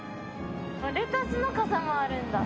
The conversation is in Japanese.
レタスの傘もあるんだ。